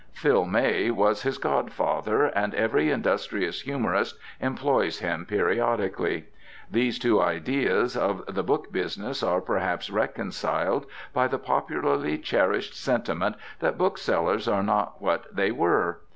Phil May was his godfather; and every industrious humourist employs him periodically. These two ideas of the book business are perhaps reconciled by the popularly cherished sentiment that book sellers are not what they were.